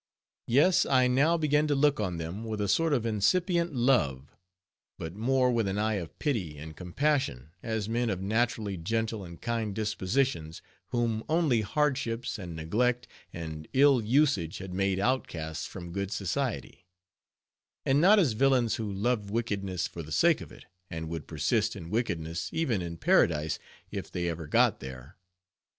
Yes, I now began to look on them with a sort of incipient love; but more with an eye of pity and compassion, as men of naturally gentle and kind dispositions, whom only hardships, and neglect, and ill usage had made outcasts from good society; and not as villains who loved wickedness for the sake of it, and would persist in wickedness, even in Paradise, if they ever got there.